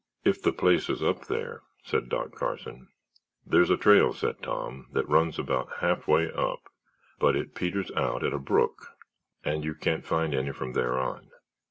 "If the place is up there," said Doc Carson. "There's a trail," said Tom, "that runs about halfway up but it peters out at a brook and you can't find any from there on."